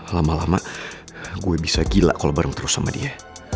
lama lama gue bisa gila kalau bareng terus sama dia